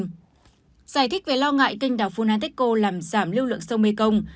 giải thích về lo ngại kênh đảo phunanteco làm giảm lưu lượng sông mekong